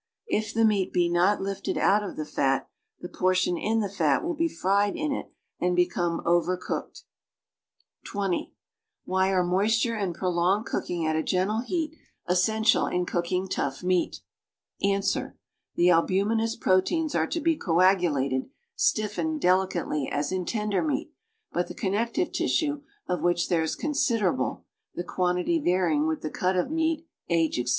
If the meat be not lifted out of the fat, the portion in the fat will be fried in it and become o\er cooked. 86 ('20) \\liy arc niolsluro and ])roUin{,'t'il codkinf,' at a gonllo heat t ssoiilial in cooking longli nioal? Ans. The alljuniii)ous ]M oteiiis arc to he coagulaLed (.slilfeiied) delicately as in tender meat, but the connective tissue, of which there is considerable (the quantity varying with the cut of meat, age, etc.)